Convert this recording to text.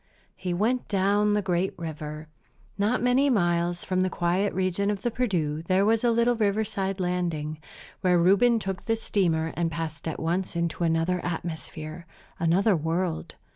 He went down the great river. Not many miles from the quiet region of the Perdu there was a little riverside landing, where Reuben took the steamer and passed at once into another atmosphere, another world.